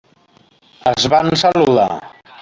Es van saludar.